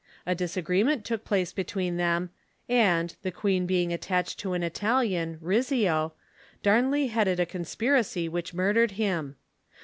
A disagreement took place between them, and, the queen be ing attached to an Italian, Rizzio, Darnley headed a conspiracy which murdered him.